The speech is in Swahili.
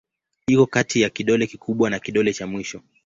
Iko kati ya kidole kikubwa na kidole cha mwisho.